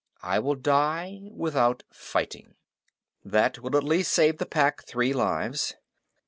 I will die without fighting. That will at least save the Pack three lives.